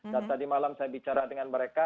dan tadi malam saya bicara dengan mereka